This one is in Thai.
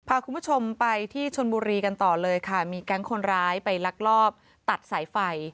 พาคุณผู้ชมไปที่ชนบุรีกันต่อเลยค่ะมีแก๊งคนร้ายไปลักลอบตัดสายไฟ